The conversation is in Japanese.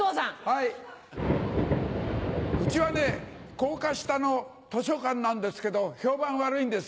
高架下の図書館なんですけど評判悪いんですよ。